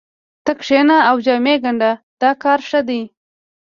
ته کښېنه او جامې ګنډه دا کار ښه دی